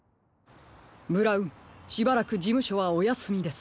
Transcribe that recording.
ブラウンしばらくじむしょはおやすみです。